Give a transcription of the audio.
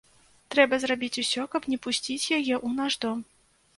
Трэба зрабіць усё, каб не пусціць яе ў наш дом.